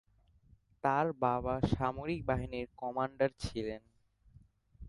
তার বাবা সামরিক বাহিনীর কমান্ডার ছিলেন।